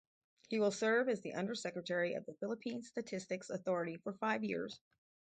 He will serve as the Undersecretary of the Philippine Statistics Authority for five years.